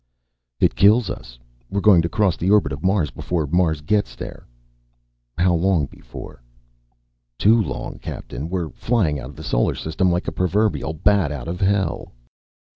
"It kills us. We're going to cross the orbit of Mars before Mars gets there." "How long before?" "Too long. Captain, we're flying out of the Solar System like the proverbial bat out of hell."